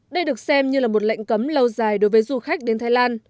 đây được xem như là một lệnh cấm lâu dài đối với du khách